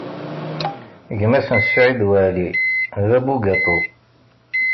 Gma-s n Saɛid Waɛli, d abugaṭu.